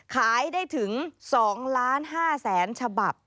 ขายได้ถึง๒๕๐๐๐๐ฉบับ